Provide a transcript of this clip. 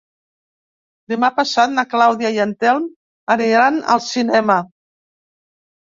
Demà passat na Clàudia i en Telm aniran al cinema.